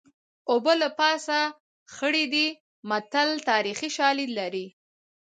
اوبه له پاسه خړې دي متل تاریخي شالید لري